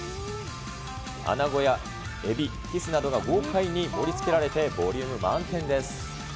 アナゴやエビ、キスなどが豪快に盛りつけられてボリューム満点です。